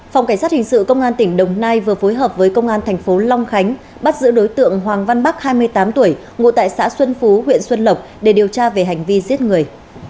phòng cảnh sát hình sự công an tỉnh đồng nai vừa phối hợp với công an thành phố long khánh bắt giữ đối tượng hoàng văn bắc hai mươi tám tuổi ngụ tại xã xuân phú huyện xuân lộc để điều tra về hành vi giết người